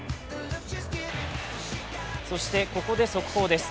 そしてここで速報です。